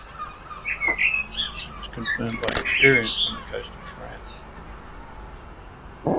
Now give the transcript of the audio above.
The belief was confirmed by experience on the coast of France.